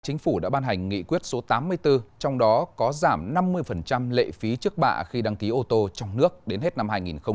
chính phủ đã ban hành nghị quyết số tám mươi bốn trong đó có giảm năm mươi lệ phí trước bạ khi đăng ký ô tô trong nước đến hết năm hai nghìn hai mươi